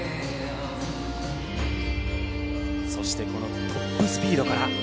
そしてこのトップスピードから。